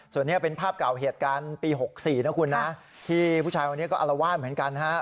ส่วนนี้เป็นภาพเก่าเหตุการณ์ปี๖๔นะคุณนะที่ผู้ชายคนนี้ก็อลวาดเหมือนกันฮะ